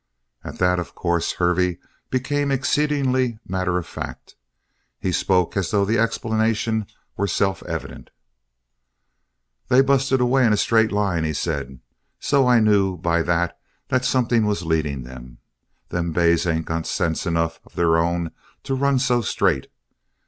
At that, of course, Hervey became exceedingly matter of fact. He spoke as though the explanation were self evident. "They busted away in a straight line," he said, "so I knew by that that something was leading 'em. Them bays ain't got sense enough of their own to run so straight."